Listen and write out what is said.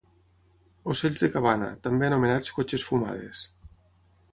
Ocells de cabana, també anomenats cotxes fumades.